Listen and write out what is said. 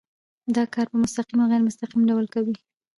دا کار په مستقیم او غیر مستقیم ډول کوي.